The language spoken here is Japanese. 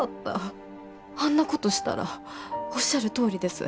あんなことしたらおっしゃるとおりです